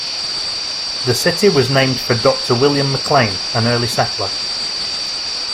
The city was named for Doctor William McLean, an early settler.